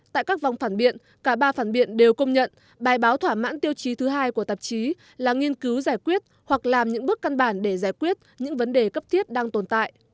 tại các vòng phản biện cả ba phản biện đều công nhận bài báo thỏa mãn tiêu chí thứ hai của tạp chí là nghiên cứu giải quyết hoặc làm những bước căn bản để giải quyết những vấn đề cấp thiết đang tồn tại